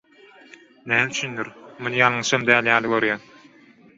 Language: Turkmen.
Näme üçindir, muny ýalňyşam däl ýaly görýän.